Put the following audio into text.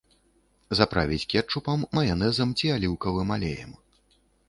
Заправіць кетчупам, маянэзам ці аліўкавым алеем.